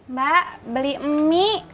mbak beli mie